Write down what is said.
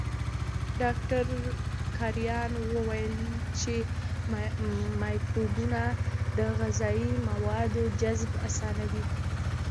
ډاکټر کرایان وویل چې مایکروبونه د غذایي موادو جذب اسانوي.